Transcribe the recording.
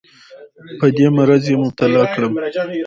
په دې مرض یې مبتلا کړم.